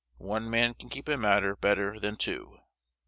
One man can keep a matter better than two."